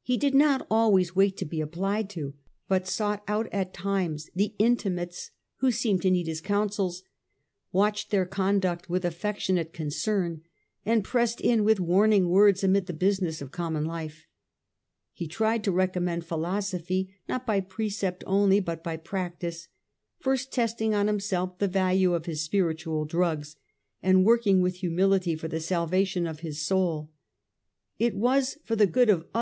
He did not always wait to be applied to, but sought out at times the intimates who seemed to need his counsels, watched their conduct with affectionate concern, and pressed in with warning words amid the business of com mon life. He tried to recommend philosophy not by pre cept only but by practice, first testing on himself the value of his spiritual drugs, and working with humility for the salvation of his soul. ' It was for the good of others ' N 2 CH.